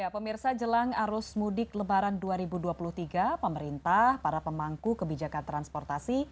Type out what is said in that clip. pemirsa jelang arus mudik lebaran dua ribu dua puluh tiga pemerintah para pemangku kebijakan transportasi